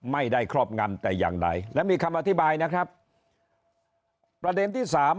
ไม่ได้ครอบงามแต่อย่างใดแล้วมีคำอธิบายนะครับประเด็นที่